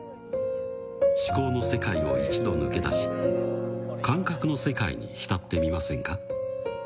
思考の世界を一度抜け出し感覚の世界に浸ってみませんか？